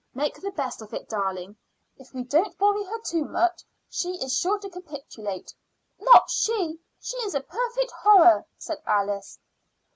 Make the best of it, darling. If we don't worry her too much she is sure to capitulate." "Not she. She is a perfect horror," said Alice.